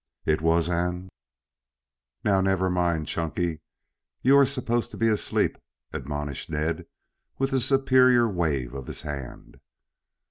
"It was an " "Now, never mind, Chunky. You are supposed to be asleep," admonished Ned, with a superior wave of his hand.